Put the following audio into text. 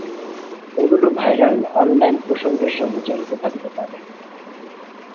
এগুলি viral online প্রসঙ্গের সাথে জড়িত থাকতে পারে।